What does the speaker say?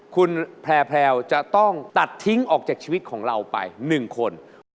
คุณแพลวจะต้องตัดทิ้งออกจากชีวิตของเราไป๑คน